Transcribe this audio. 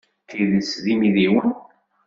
D tidet d imidiwen?